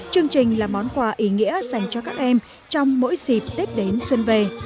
chương trình là món quà ý nghĩa dành cho các em trong mỗi dịp tết đến xuân về